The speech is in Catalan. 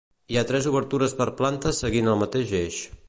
Hi ha tres obertures per planta seguint el mateix eix.